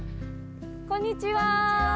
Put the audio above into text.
こんにちは！